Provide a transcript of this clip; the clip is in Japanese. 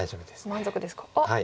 満足ですかあっ。